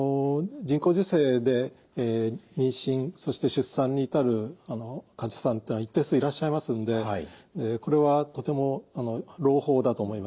人工授精で妊娠そして出産に至る患者さんというのは一定数いらっしゃいますんでこれはとても朗報だと思います。